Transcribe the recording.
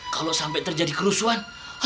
kalau sampai terjadi kerusuhan